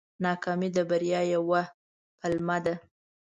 ناکامي د بریا یوه پله ده.